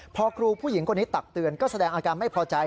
พอครูผู้หญิงคนนี้ตักเตือนก็แสดงอาการไม่พอใจ